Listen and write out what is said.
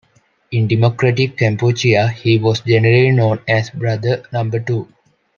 In Democratic Kampuchea, he was generally known as Brother Number Two.